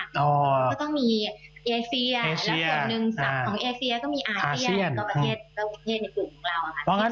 ก็ต้องมีอาเซียและส่วนหนึ่งสัตว์ของอาเซียก็ต้องมีอาเซียในตัวประเทศและประเทศอื่นของเรา